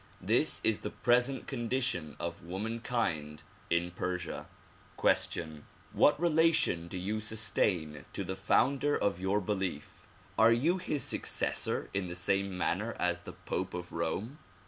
This is the present condition of womankind in Persia. Question: What relation do you sustain to the founder of your belief? Are you his successor in the same manner as the Pope of Rome?